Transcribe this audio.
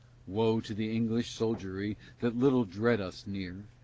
Woe to the English soldiery That little dread us near!